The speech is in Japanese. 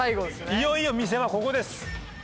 いよいよ見せ場ここです！